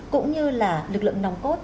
cũng như là lực lượng nồng cốt